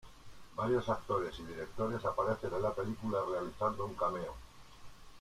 Varios actores y directores aparecen en la película realizando un cameo.